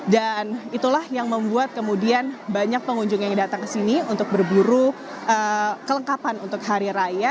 dan itulah yang membuat kemudian banyak pengunjung yang datang ke sini untuk berburu kelengkapan untuk hari raya